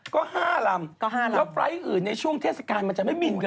ก็๕ลำแล้วไฟล์ทอื่นในช่วงเทศกาลมันจะไม่บินกันเลยหรือ